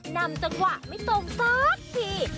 นำจังหวะไม่ตรงสักที